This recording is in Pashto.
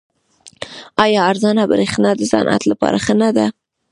آیا ارزانه بریښنا د صنعت لپاره ښه نه ده؟